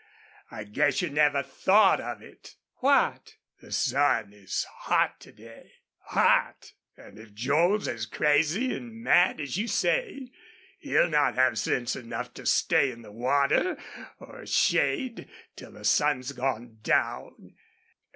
I guess you never thought of it." "What?" "The sun is hot to day. Hot! An' if Joel's as crazy an' mad as you say he'll not have sense enough to stay in the water or shade till the sun's gone down.